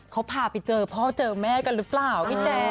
เขาพาไปเจอพ่อเจอแม่กันหรือเปล่าพี่แจ๊